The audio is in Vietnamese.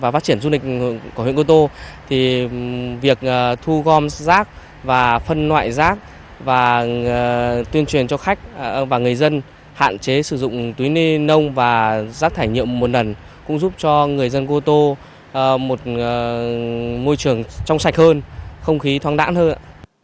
và tuyên truyền cho khách và người dân hạn chế sử dụng túi ni lông và rác thải nhựa một lần cũng giúp cho người dân cô tô một môi trường trong sạch hơn không khí thoáng đãn hơn